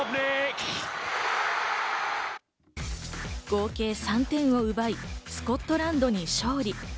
合計３点を奪いスコットランドに勝利。